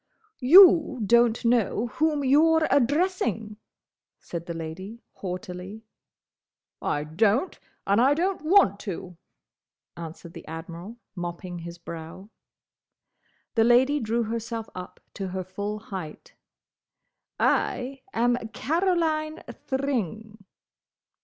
"You don't know whom you're addressing!" said the Lady, haughtily. "I don't, and I don't want to," answered the Admiral, mopping his brow. The Lady drew herself up to her full height. "I am Caroline Thring!"